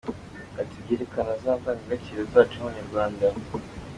Ati “Byerekana za ndangagaciro zacu nk’Abanyarwanda”.